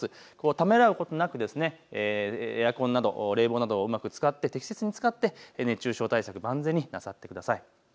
ためらうことなくエアコンなど、冷房などをうまく使って、適切に使って熱中症対策、万全になさってください。